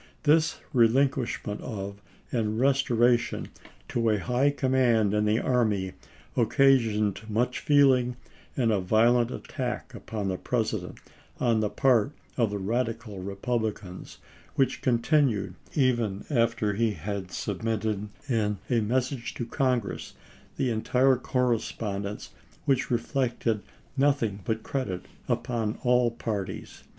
This relinquish ment of and restoration to a high command in the army occasioned much feeling and a violent attack upon the President on the part of the Eadical Bepublicans, which continued even after he had submitted in a message to Congress the entire correspondence, which reflected nothing but credit upon all parties.